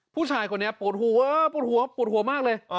ผู้ชายคนนี้ปวดหัวปวดหัวปวดหัวมากเลย